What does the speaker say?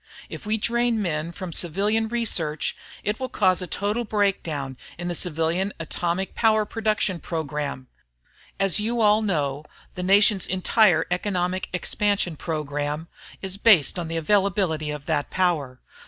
If we drain men from civilian research, it will cause a total breakdown in the civilian atomic power production program. As you all know, the nation's entire economic expansion program is based on the availability of that power.